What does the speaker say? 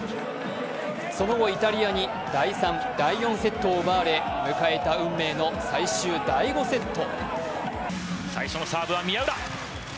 その後、イタリアに第３、第４セットを奪われ迎えた運命の最終第５セット。